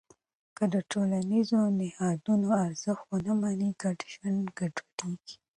که د ټولنیزو نهادونو ارزښت ونه منې، ګډ ژوند ګډوډېږي.